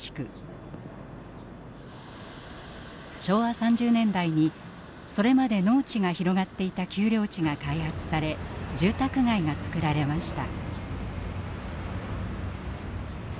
昭和３０年代にそれまで農地が広がっていた丘陵地が開発され住宅街がつくられました。